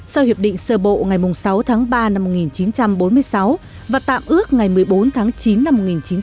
sau hiệp định sơ bộ ngày sáu tháng ba năm một nghìn chín trăm bốn mươi sáu và tạm ước ngày một mươi bốn tháng chín năm một nghìn chín trăm bảy mươi